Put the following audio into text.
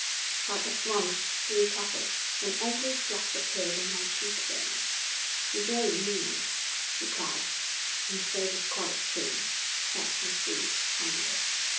But at once she recovered, an angry flush appeared on her cheek bones. 'You don't mean it?' she cried. 'I'm afraid it's quite true,' said Miss Reed, humbly.